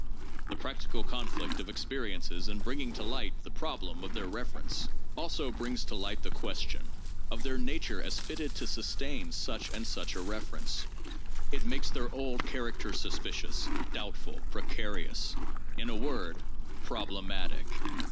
The practical conflict of experiences in bringing to light the problem of their reference, also brings to light the question of their nature as fitted to sustain such and such a reference; it makes their old characters suspicious, doubtful, precarious— in a word, prob lematic.